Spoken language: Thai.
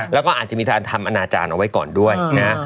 แล้วก็อาจจะมีการทำอนาจารย์เอาไว้ก่อนด้วยนะ